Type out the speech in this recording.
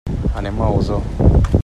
Anem a Osor.